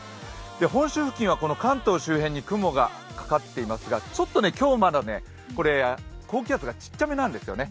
本州付近は関東周辺に雲がかかっていますがちょっと今日まだ、高気圧が小さめなんですよね。